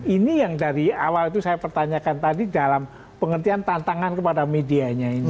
ini yang dari awal itu saya pertanyakan tadi dalam pengertian tantangan kepada medianya ini